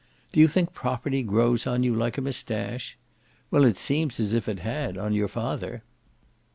Do you think property grows on you like a moustache? Well, it seems as if it had, on your father.